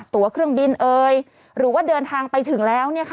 ตัวเครื่องบินเอ่ยหรือว่าเดินทางไปถึงแล้ว